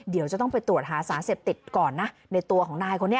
เดี๋ยวจะต้องไปตรวจหาสารเสพติดก่อนนะในตัวของนายคนนี้